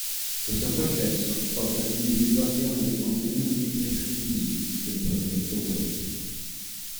Questo processo porta all'individuazione dei contenuti imprescindibili del progetto web.